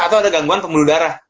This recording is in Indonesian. atau ada gangguan pembuluh darah